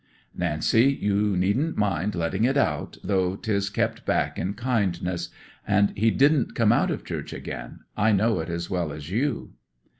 '"Nancy, you needn't mind letting it out, though 'tis kept back in kindness. And he didn't come out of church again: I know it as well as you."